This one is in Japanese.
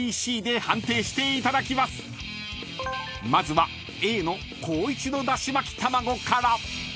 ［まずはＡの光一のだし巻き玉子から］